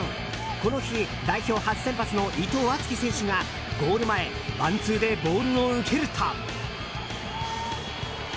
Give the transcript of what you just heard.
この日、代表初先発の伊藤敦樹選手がゴール前、ワンツーでボールを受けると。